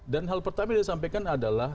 dan hal pertama yang disampaikan adalah